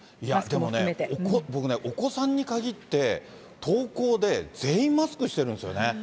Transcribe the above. でもね、お子さんにかぎって、登校で全員マスクしてるんですよね。